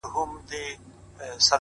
جدايي وخوړم لاليه ـ ستا خبر نه راځي ـ